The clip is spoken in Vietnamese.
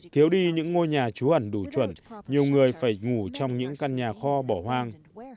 thiếu đi những ngôi nhà trú ẩn đủ chuẩn nhiều người phải ngủ trong những căn nhà kho bỏ hoang